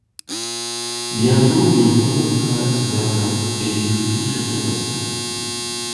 Bientôt une tornade traverse Berlin et détruit tout sur son passage.